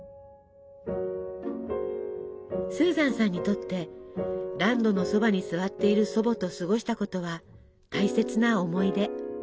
スーザンさんにとって暖炉のそばに座っている祖母と過ごしたことは大切な思い出。